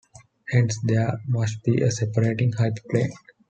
Hence, there must be a separating hyperplane.